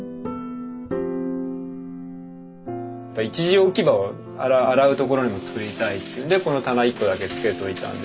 一時置き場を洗う所にも作りたいっていうんでこの棚一個だけ付けといたんですけど。